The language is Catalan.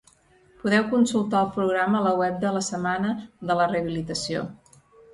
Podeu consultar el programa a la web de la Setmana de la Rehabilitació.